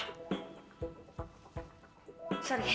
jadi emang udah gak ada harapan lagi